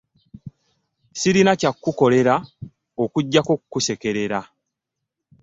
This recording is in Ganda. Sirina kya kukolera okuggyako okkusekerera.